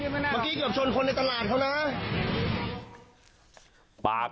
เมื่อกี้เกือบชนคนในตลาดเขานะ